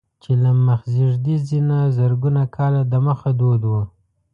چې له مخزېږدي نه زرګونه کاله دمخه دود و.